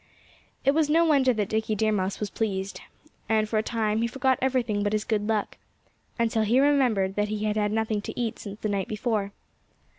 It was no wonder that Dickie Deer Mouse was pleased. And for a time he forgot everything but his good luck until he remembered that he had had nothing to eat since the night before.